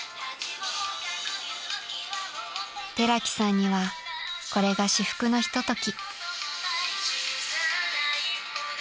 ［寺木さんにはこれが至福のひととき］